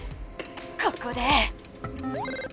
ここで。